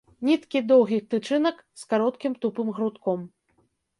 Ніткі доўгіх тычынак з кароткім тупым грудком.